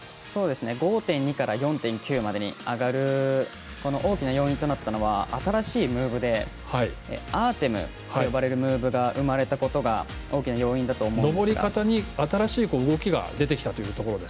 ５．２から４．９までに上がる大きな要因になったのは新しいムーブでアーテムと呼ばれるムーブが生まれたことが大きな要因だと思います。